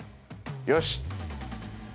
よし。